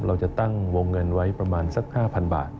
เราจะตั้งวงเงินไว้ประมาณสัก๕๐๐บาท